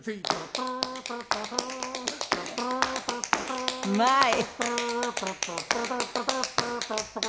うまい！